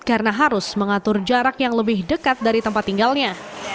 karena harus mengatur jarak yang lebih dekat dari tempat tinggalnya